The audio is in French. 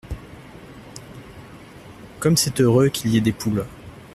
Comme c’est heureux qu’il y ait des poules !